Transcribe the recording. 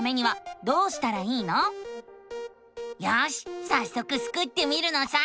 よしさっそくスクってみるのさ！